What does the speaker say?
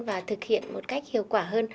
và thực hiện một cách hiệu quả hơn